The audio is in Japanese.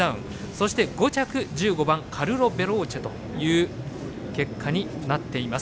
そして、５着１５番カルロヴェローチェという結果になっています。